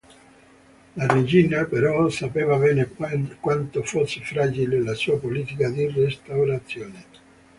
La regina, però, sapeva bene quanto fosse fragile la sua politica di restaurazione.